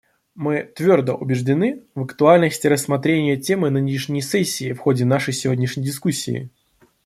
Мы твердо убеждены в актуальности рассмотрения темы нынешней сессии в ходе нашей сегодняшней дискуссии.